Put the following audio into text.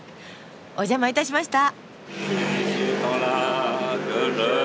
お邪魔いたしました。